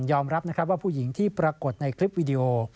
อมรับนะครับว่าผู้หญิงที่ปรากฏในคลิปวิดีโอ